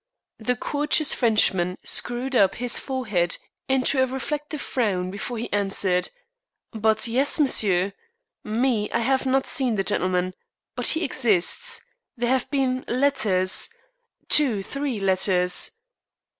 The courteous Frenchman screwed up his forehead into a reflective frown before he answered: "But yes, monsieur. Me, I have not seen the gentleman, but he exists. There have been letters two, three letters."